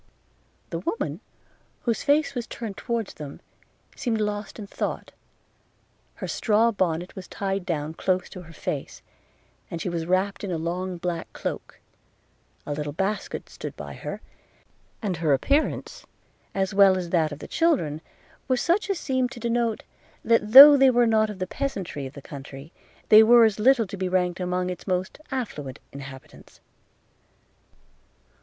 The woman, whose face was turned towards them, seemed lost in thought – Her straw bonnet was tied down close to her face, and she was wrapped in a long black cloak; a little basket stood by her, and her appearance, as well as that of the children, was such as seemed to denote, that though they were not of the peasantry of the country, they were as little to be ranked among its most affluent inhabitants.